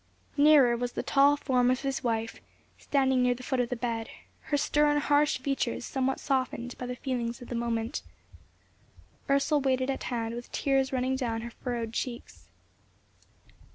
Nearer was the tall form of his wife, standing near the foot of the bed, her stern, harsh features somewhat softened by the feelings of the moment. Ursel waited at hand, with tears running down her furrowed cheeks.